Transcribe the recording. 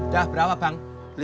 dah berapa bang